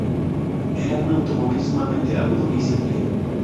Era un automóvil sumamente agudo y simple.